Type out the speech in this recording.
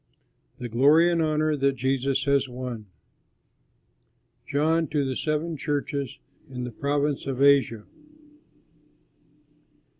THE GLORY AND HONOR THAT JESUS HAS WON John, to the seven churches in the province of Asia.